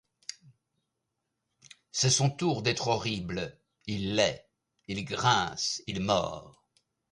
C’est son tour d’être horrible, il l’est. Il grince, il mord ;